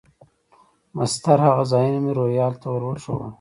مسطر هغه ځایونه مې روهیال ته ور وښوول.